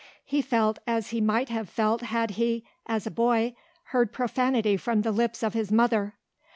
He felt as he might have felt had he, as a boy, heard profanity from the lips of his mother.